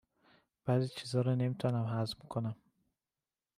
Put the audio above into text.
بعضی چیزا رو نمی تونم هضم کنم